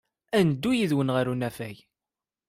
Ad neddu yid-wen ɣer unafag.